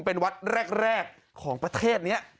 เป็นวัดแรกของประเทศนี้